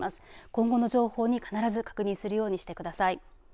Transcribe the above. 今後の情報を、必ず確認するようにしてください。